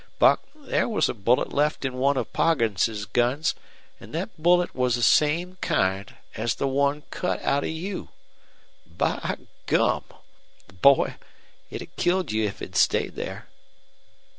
Buck, there was a bullet left in one of Poggin's guns, and that bullet was the same kind as the one cut out of you. By gum! Boy, it'd have killed you if it'd stayed there."